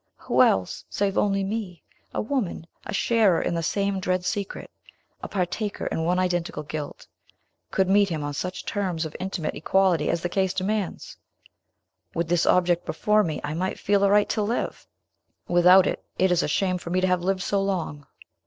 Who else, save only me, a woman, a sharer in the same dread secret, a partaker in one identical guilt, could meet him on such terms of intimate equality as the case demands? With this object before me, I might feel a right to live! Without it, it is a shame for me to have lived so long."